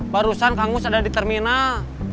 barusan kang mus ada di terminal